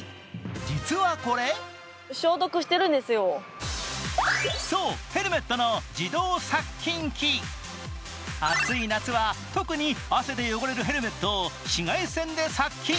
実はこれそう、ヘルメットの自動殺菌機暑い夏は特に汗で汚れるヘルメットを紫外線で殺菌。